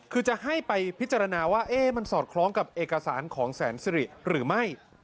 คือจะให้ไปพิจารณาว่ามันสอดคล้องกับเอกสารของแสนสิริหรือไม่